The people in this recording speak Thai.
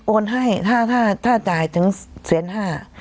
โอนให้ถ้าจ่ายถึงแสนห้า